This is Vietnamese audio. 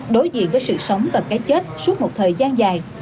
đối diện với sự sống và cái chết suốt một thời gian dài